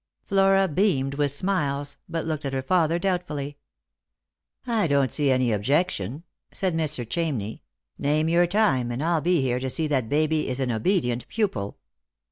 Flora beamed with smiles, but looked at her father doubtfully. " I don't see any objection," said Mr. Chamney ;" name your time, and I'll be here to see that Baby is an obedient pupil."